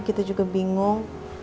kita juga bingung